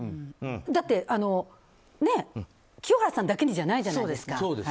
だって、清原さんだけにじゃないじゃないですか。